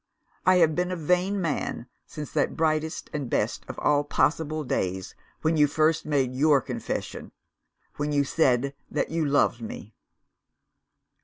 I have been a vain man, since that brightest and best of all possible days when you first made your confession when you said that you loved me.